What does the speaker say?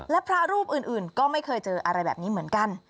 และพระรูปอื่นก็ไม่เคยเจออะไรแบบนี้เหมือนกัน